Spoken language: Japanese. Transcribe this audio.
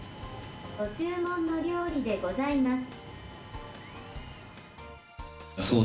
ご注文の料理でございます。